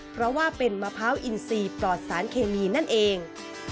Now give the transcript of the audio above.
เพราะว่าเป็นมะพร้าวอินซีปลอดสารเคมีนั่นเอง